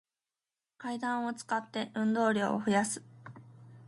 階段を使って、運動量を増やす